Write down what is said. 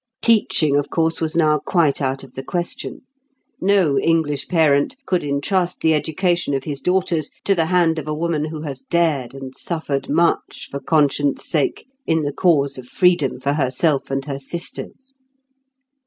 Teaching, of course, was now quite out of the question; no English parent could entrust the education of his daughters to the hands of a woman who has dared and suffered much, for conscience' sake, in the cause of freedom for herself and her sisters.